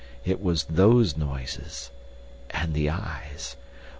It was those noises—and the eyes.